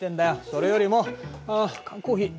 それよりも缶コーヒー。